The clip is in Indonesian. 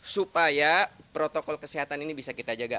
supaya protokol kesehatan ini bisa kita jaga